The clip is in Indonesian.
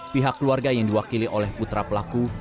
pihak keluarga yang diwakili oleh putra pelaku